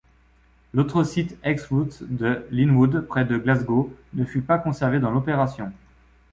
L'autre site ex-Rootes de Linwood, près de Glasgow, ne fut pas conservé dans l'opération.